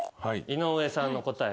井上さんの答え